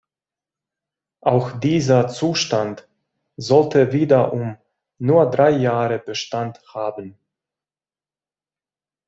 Auch dieser Zustand sollte wiederum nur drei Jahre Bestand haben.